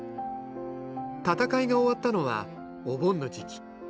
戦いが終わったのはお盆の時期。